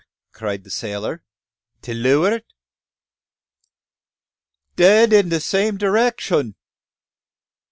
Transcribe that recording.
cried the sailor. "To leuart?" "Dead in dat same direcshun."